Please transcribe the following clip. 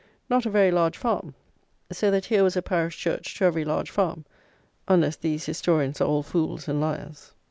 Not a very large farm; so that here was a parish church to every large farm, unless these historians are all fools and liars.